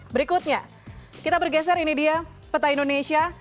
berikutnya kita bergeser ini dia peta indonesia